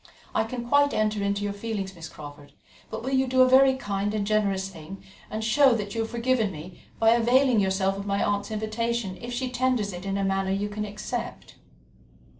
"I can quite enter into your feelings, Miss Crawford, but will you do a very kind and generous thing, and show that you have forgiven me by availing yourself of my aunt's invitation if she tenders it in a manner you can accept?"